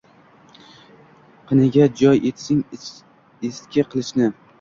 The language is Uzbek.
Qiniga jo eting eski qilichni